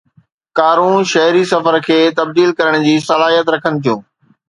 ڪارون شهري سفر کي تبديل ڪرڻ جي صلاحيت رکن ٿيون